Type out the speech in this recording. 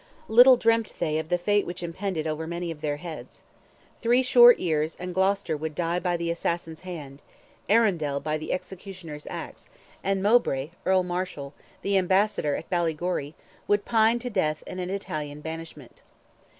Little dreamt they of the fate which impended over many of their heads. Three short years and Gloucester would die by the assassin's hand, Arundel by the executioner's axe, and Mowbray, Earl Marshal, the ambassador at Ballygorry, would pine to death in Italian banishment.